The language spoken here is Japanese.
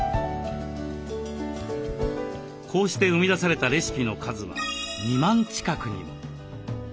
こうして生み出されたレシピの数は２万近くにも。